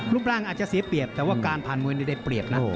รูปร่างอาจจะเสียเปรียบแต่ว่าการผ่านมวยนี่ได้เปรียบนะ